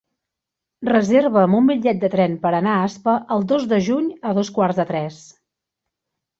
Reserva'm un bitllet de tren per anar a Aspa el dos de juny a dos quarts de tres.